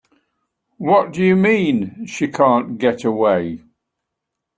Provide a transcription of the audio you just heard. What do you mean she can't get away?